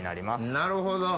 なるほど。